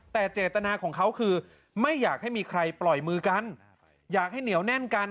แต่เจตนาของเขาคือไม่อยากให้มีใครปล่อยมือกันอยากให้เหนียวแน่นกัน